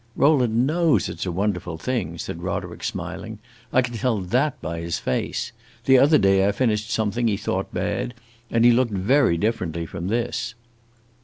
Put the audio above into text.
"Rowland knows it 's a wonderful thing," said Roderick, smiling. "I can tell that by his face. The other day I finished something he thought bad, and he looked very differently from this."